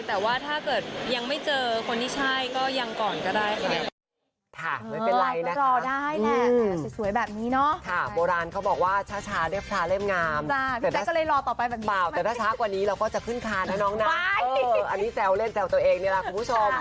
แต่ว่าถ้าเกิดยังไม่เจอคนที่ใช่ก็ยังก่อนก็ได้ค่ะ